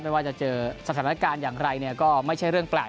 ไม่ว่าจะเจอสถานการณ์อย่างไรเนี่ยก็ไม่ใช่เรื่องแปลก